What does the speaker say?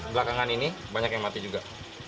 belakangan ini banyak yang mati juga